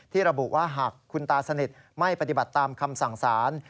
ระบุว่าหากคุณตาสนิทไม่ปฏิบัติตามคำสั่งสาร